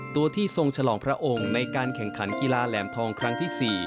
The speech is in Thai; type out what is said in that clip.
ตัวที่ทรงฉลองพระองค์ในการแข่งขันกีฬาแหลมทองครั้งที่๔